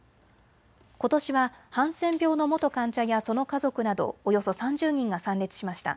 ことしはハンセン病の元患者やその家族などおよそ３０人が参列しました。